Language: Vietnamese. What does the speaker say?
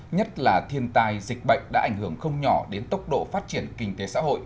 nhất là thiên tai dịch bệnh đã ảnh hưởng không nhỏ đến tốc độ phát triển kinh tế xã hội